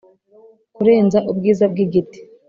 kurenza ubwiza bw'igiti